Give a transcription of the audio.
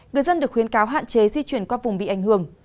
người dân được khuyến cáo hạn chế di chuyển qua vùng bị ảnh hưởng